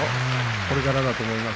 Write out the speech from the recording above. これからだと思います。